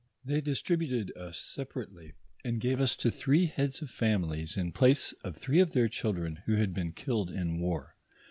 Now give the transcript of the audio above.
They dis tributed us separately, and gave us to three heads of families in place of three of their children who had been killed in war.